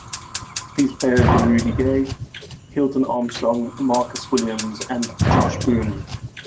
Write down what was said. These players were Rudy Gay, Hilton Armstrong, Marcus Williams, and Josh Boone.